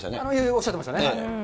おっしゃってましたね。